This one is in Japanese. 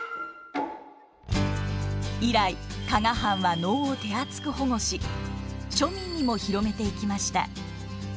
以来加賀藩は能を手厚く保護し庶民にも広めていきました。